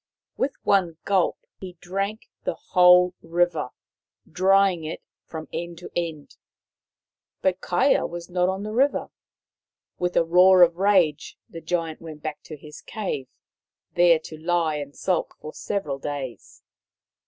With one gulp he drank the whole river, drying it from end to end. But Kaia was not on the river. With a roar of rage the Giant went back to his cave, there to lie and sulk for several days.